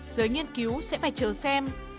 giới nghiên cứu sẽ phải chờ xem